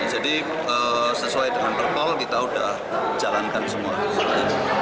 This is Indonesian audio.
jadi sesuai dengan perpol kita sudah jalankan semua